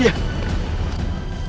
tidak ada dia